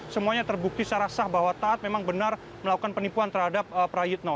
semuanya terbukti secara sah bahwa taat memang benar melakukan penipuan terhadap prayitno